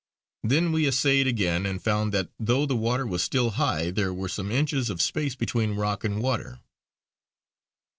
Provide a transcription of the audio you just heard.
Then we essayed again, and found that though the water was still high there were some inches of space between rock and water.